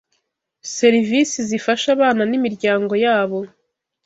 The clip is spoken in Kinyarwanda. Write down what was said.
serivisi zifasha abana n’imiryango yabo